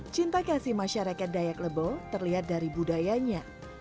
cinta kasih masyarakat dayak lebo terlihat dari budayanya